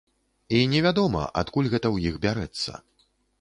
І невядома, адкуль гэта ў іх бярэцца.